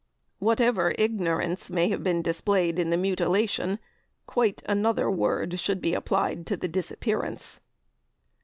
Whatever ignorance may have been displayed in the mutilation, quite another word should be applied to the disappearance.